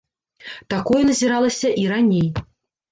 Такое назіралася і раней.